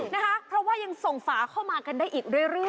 นะคะเพราะว่ายังส่งฝาเข้ามากันได้อีกเรื่อย